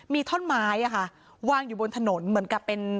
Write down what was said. มีท่อนไม้อะค่ะวางอยู่บนถนนเหมือนกับเป็น